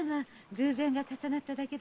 偶然が重なっただけですのよ。